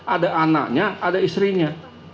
ada anaknya ada istrinya